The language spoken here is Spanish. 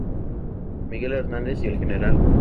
Miguel Hernández y el Gral.